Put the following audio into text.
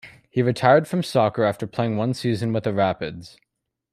He retired from soccer after playing one season with the Rapids.